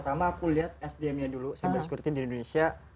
karena aku lihat sdm nya dulu cyber security di indonesia